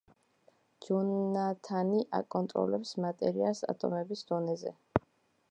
ჯონათანი აკონტროლებს მატერიას ატომების დონეზე.